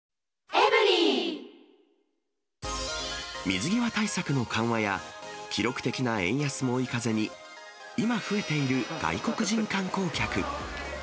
水際対策の緩和や、記録的な円安も追い風に、今増えている外国人観光客。